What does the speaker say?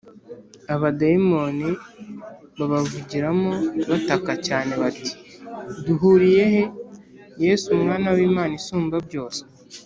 abadayimoni babavugiramo bataka cyane bati: “duhuriye he, yesu mwana w’imana isumbabyose?